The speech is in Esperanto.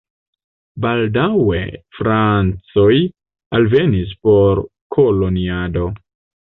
Baldaŭe francoj alvenis por koloniado.